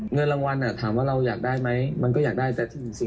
เงินรางวัลถามว่าเราอยากได้ไหมมันก็อยากได้แต่จริง